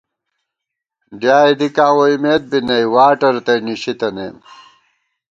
ڈِیائے دِکاں ووئیمېت بی نئ ، واٹہ رتئ نِشِی تنَئیم